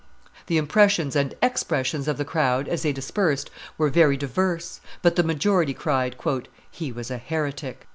The impressions and expressions of the crowd, as they dispersed, were very diverse; but the majority cried, "He was a heretic."